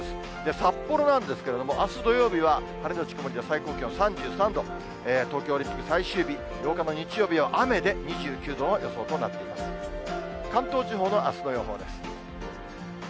札幌なんですけれども、あす土曜日は晴れ後曇りで、最高気温３３度、東京オリンピック最終日、８日の日曜日は雨で２９度の予想となっています。